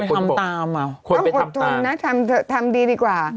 ก็ไปทำตามต้องอดทนนะทำดีดีกว่า